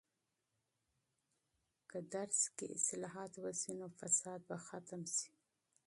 که تعلیم کې اصلاحات وسي، نو فساد به ختم سي.